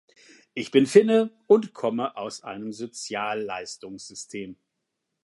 Ich bin Finne, und komme aus einem Sozialleistungssystem.